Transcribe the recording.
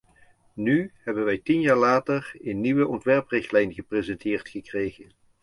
Nu hebben wij tien jaar later een nieuwe ontwerprichtlijn gepresenteerd gekregen.